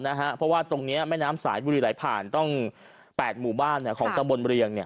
เพราะว่าตรงนี้แม่น้ำสายบุรีไหลผ่านต้อง๘หมู่บ้านของตะบนเรียง